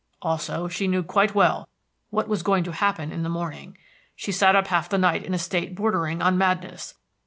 Also, she knew quite well what was going to happen in the morning. She sat up half the night in a state bordering on madness.